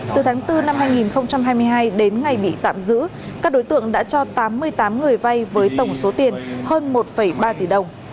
từ tháng bốn năm hai nghìn hai mươi hai đến ngày bị tạm giữ các đối tượng đã cho tám mươi tám người vay với tổng số tiền hơn một ba tỷ đồng